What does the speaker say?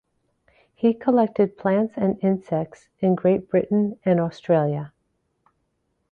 He collected plants and insects in Great Britain and Australia.